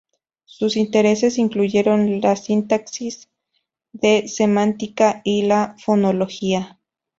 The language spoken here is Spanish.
Sus intereses incluyeron la sintaxis, la semántica y la fonología.